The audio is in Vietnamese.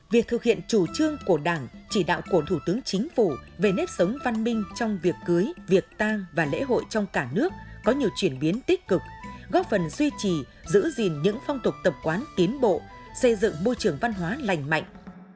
việc thực hiện chủ trương của đảng chỉ đạo của thủ tướng chính phủ về nếp sống văn minh trong việc cưới việc tang và lễ hội trong cả nước có nhiều chuyển biến tích cực góp phần duy trì giữ gìn những phong tục tập quán tiến bộ xây dựng môi trường văn hóa lành mạnh